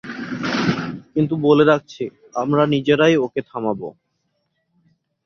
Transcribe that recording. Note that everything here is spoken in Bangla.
কিন্ত বলে রাখছি, আমরা নিজেরাই ওকে থামাব।